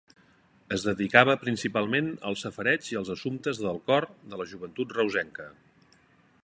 Es dedicava principalment al safareig i als assumptes del cor de la joventut reusenca.